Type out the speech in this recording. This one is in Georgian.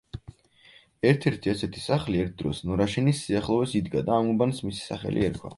ერთ-ერთი ასეთი სახლი ერთ დროს ნორაშენის სიახლოვეს იდგა და ამ უბანს მისი სახელი ერქვა.